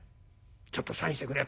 「ちょっとサインしてくれ」。